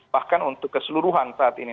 bahkan untuk keseluruhan saat ini